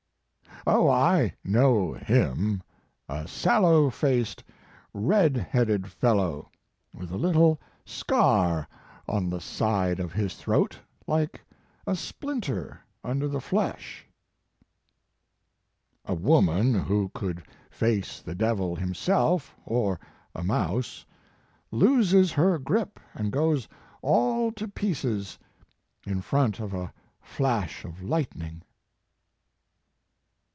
"Oh, I know him. A sallow faced,, red headed fellow, with a little scar on the side of his throat like a splinter under the flesh." "A woman who could face the aevil himself or a mouse loses her grip and goes all to pieces in front of a flash of lightning."